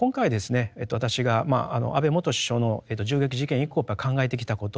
私が安倍元首相の銃撃事件以降考えてきたこと